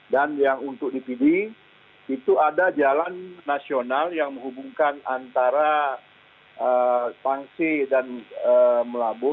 dan yang untuk di pd itu ada jalan nasional yang menghubungkan antara pansi dan melabu